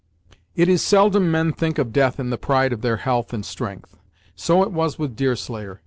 It is seldom men think of death in the pride of their health and strength. So it was with Deerslayer.